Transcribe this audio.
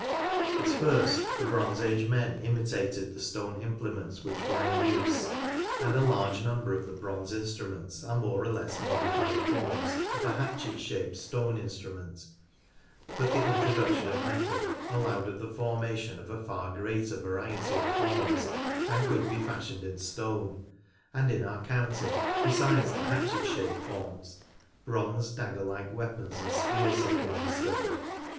At first the Bronze As:e men imitated the stone implements which were in use, and a large number of the bronze instruments are more or less modified forms of the hatchet shaped stone instrument, but the intro duction of metal allowed of the formation of a far greater variety of forms than could be fashioned in stone, and in our county, besides the hatchet shaped forms, bronze dagger like weapons and spears have been discovered.